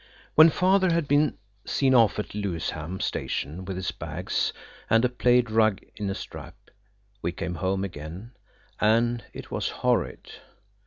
When Father had been seen off at Lewisham Station with his bags, and a plaid rug in a strap, we came home again, and it was horrid.